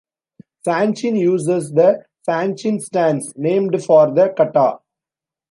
"Sanchin" uses the "sanchin" stance" named for the "kata".